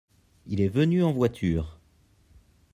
Il est venu en voiture.